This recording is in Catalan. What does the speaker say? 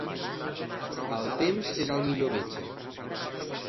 El temps és el millor metge.